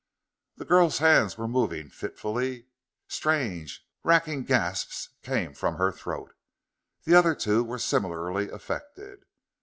The girl's hands were moving fitfully; strange, racking gasps came from her throat. The other two were similarly affected.